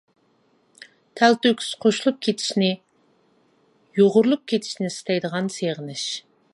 تەلتۆكۈس قوشۇلۇپ كېتىشنى، يۇغۇرۇلۇپ كېتىشنى ئىستەيدىغان سېغىنىش!